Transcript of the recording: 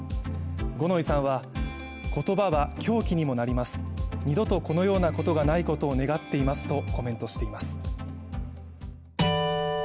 五ノ井さんは言葉は凶器にもなります、２度とこのようなことがないことが願っていますとコメントしています。